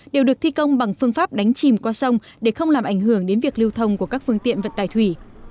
đều được thi công bằng phương pháp đánh chìm qua sông để không làm ảnh hưởng đến việc lưu thông của các phương tiện vận tải thủy